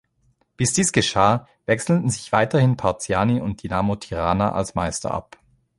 Bis dies geschah, wechselten sich weiterhin Partizani und Dinamo Tirana als Meister ab.